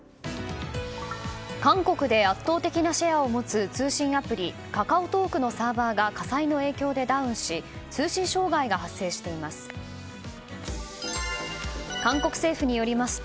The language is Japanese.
韓国で圧倒的なシェアを持つ通信アプリ、カカオトークのサーバーが火災の影響でダウンし通信障害が発生しています。